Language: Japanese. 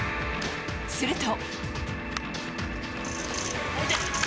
すると。